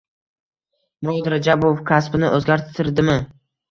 Murod Rajabov kasbini o‘zgartirdimi?